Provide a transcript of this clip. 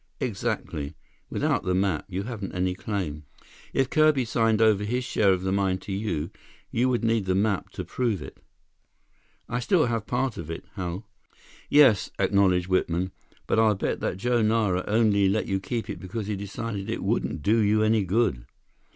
"Exactly. Without the map, you haven't any claim. If Kirby signed over his share of the mine to you, you would need the map to prove it." "I still have part of it, Hal." "Yes," acknowledged Whitman, "but I'll bet that Joe Nara only let you keep it because he decided it wouldn't do you any good.